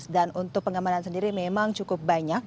dan untuk pengamanan sendiri memang cukup banyak